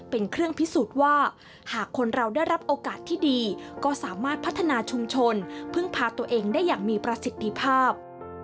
เป็นเครื่องพิสูจน์ว่าหากคนเราได้รับโอกาสที่ดีก็สามารถพัฒนาชุมชนพึ่งพาตัวเองได้อย่างมีประสิทธิภาพ